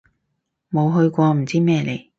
冇去過唔知咩嚟